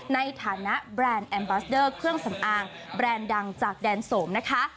ในฐานะแบรนด์แอมบาสเดอร์เครื่องสำอางแบรนด์ดังจากแดนโสมนะคะ